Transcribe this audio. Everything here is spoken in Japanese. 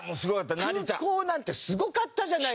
空港なんてすごかったじゃないですか。